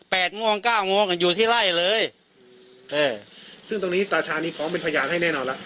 โมงเก้าโมงอ่ะอยู่ที่ไล่เลยเออซึ่งตรงนี้ตาชานี้ฟ้องเป็นพยานให้แน่นอนแล้ว